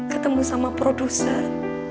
ketemu sama produser